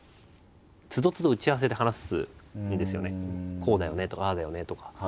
こうだよねとかああだよねとか。